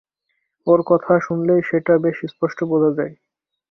ওঁর কথা শুনলেই সেটা বেশ স্পষ্ট বোঝা যায়।